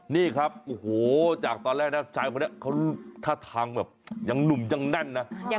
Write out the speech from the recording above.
นี่ครับโอ้โหจากตอนแรกนะชายคนนี้เขาท่าทางแบบยังหนุ่มยังแน่นนะ